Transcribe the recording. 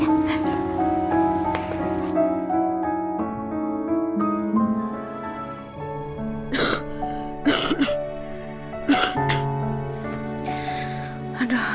aku gak bisa tidur lagi